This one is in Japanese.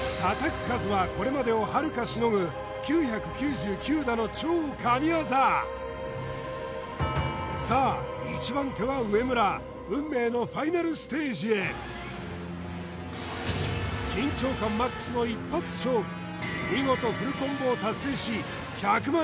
叩く数はこれまでをはるかしのぐ９９９打の超神業さあ１番手は植村緊張感ＭＡＸの一発勝負見事フルコンボを達成し１００万